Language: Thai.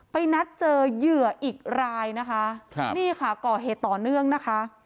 นัดเจอเหยื่ออีกรายนะคะครับนี่ค่ะก่อเหตุต่อเนื่องนะคะ